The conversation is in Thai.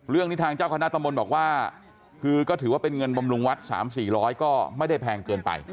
เรื่องนี้ทางเจ้าคณะตำบลบอกว่าคือก็ถือว่าเป็นเงินบำรุงวัด๓๔๐๐ก็ไม่ได้แพงเกินไป